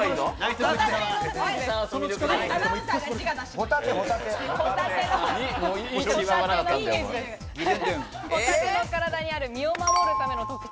ホタテの体にある、身を守るための特徴。